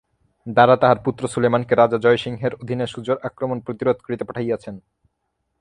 দারা তাঁহার পুত্র সুলেমানকে রাজা জয়সিংহের অধীনে সুজার আক্রমণ প্রতিরোধ করিতে পাঠাইয়াছেন।